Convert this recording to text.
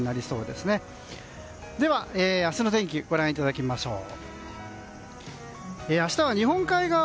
では、明日の天気をご覧いただきましょう。